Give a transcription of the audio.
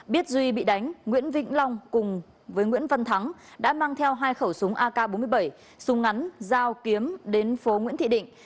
biết duy bị đánh nguyễn vĩnh long cùng với nguyễn văn thắng đã mang theo hai khẩu súng ak bốn mươi bảy súng ngắn dao kiếm đến phố nguyễn thị định